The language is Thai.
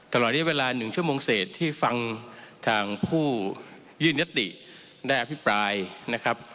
ตลอดระยะเวลา๑ชั่วโมงเศษที่ฟังทางผู้ยื่นยติได้อภิปรายนะครับ